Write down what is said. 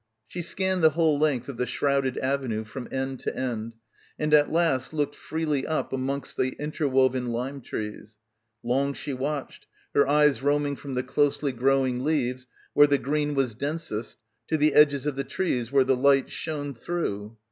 She scanned the whole length of the shrouded avenue from end to end and at last looked freely up amongst the interwoven lime trees. Long she watched, her eyes roaming from the closely grow ing leaves where the green was densest to the edges of the trees where the light shone through.